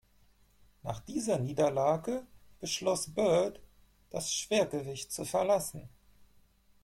Nach dieser Niederlage beschloss Byrd, das Schwergewicht zu verlassen.